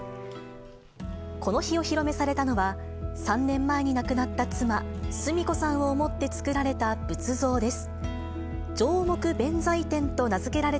この日、お披露目されたのは、３年前に亡くなった妻、澄子さんを思って作られた仏像です。